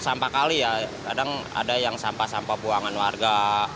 sampah kali ya kadang ada yang sampah sampah buangan warga